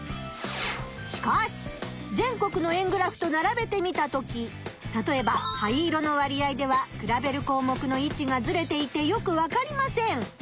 しかし全国の円グラフとならべてみたときたとえば灰色の割合では比べるこうもくのいちがずれていてよくわかりません。